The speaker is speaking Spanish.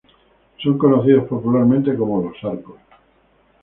Son conocidos popularmente como "los arcos".